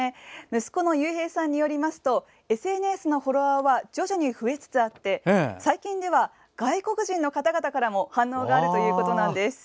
息子の悠平さんによりますとＳＮＳのフォロワーは徐々に増えつつあって最近では、外国人の方々からも反応があるということなんです。